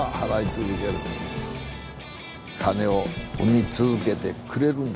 金を生み続けてくれるんだ。